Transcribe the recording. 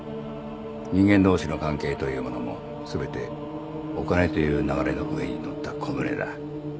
人間同士の関係というものも全てお金という流れの上に乗った小舟だ。